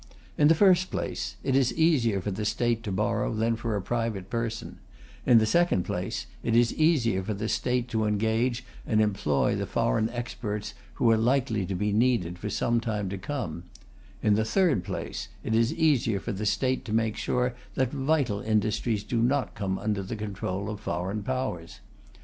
In the first place, it is easier for the State to borrow than for a private person; in the second place, it is easier for the State to engage and employ the foreign experts who are likely to be needed for some time to come; in the third place, it is easier for the State to make sure that vital industries do not come under the control of foreign Powers.